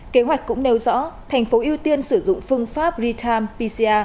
kế hoạch cũng nêu rõ thành phố ưu tiên sử dụng phương pháp retime pcr